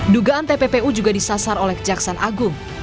dugaan tppu juga disasar oleh kejaksaan agung